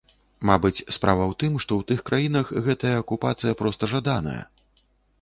Мабыць, справа ў тым, што ў тых краінах гэтая акупацыя проста жаданая.